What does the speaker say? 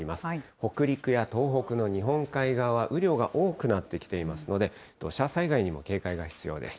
北陸や東北の日本海側は雨量が多くなってきていますので、土砂災害にも警戒が必要です。